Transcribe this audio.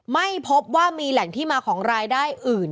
ไม่พบว่ามีแหล่งที่มาของรายได้อื่น